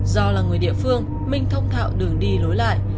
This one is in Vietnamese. do là người địa phương minh thông thạo đường đi lối lại